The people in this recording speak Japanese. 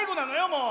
もう。